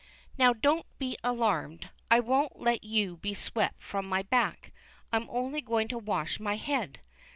Now don't be alarmed. I won't let you be swept from my back. I am only going to wash my head.